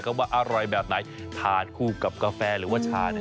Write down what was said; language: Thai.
ว่าอร่อยแบบไหนทานคู่กับกาแฟหรือว่าชาเนี่ย